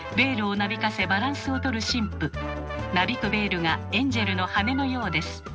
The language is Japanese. なびくベールがエンジェルの羽のようです。